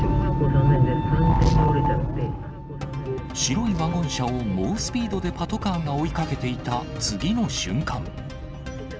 白いワゴン車を猛スピードでパトカーが追いかけていた次の瞬間。